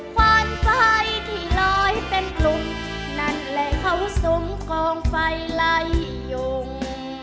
ควันไฟที่ลอยเป็นกลุ่มนั่นแหละเขาสมกองไฟไล่ยุง